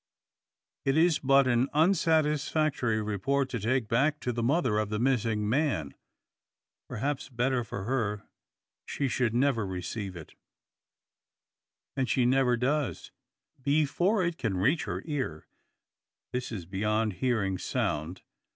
It is but an unsatisfactory report to take back to the mother of the missing man. Perhaps better for her she should never receive it? And she never does. Before it can reach her ear, this is beyond hearing sound.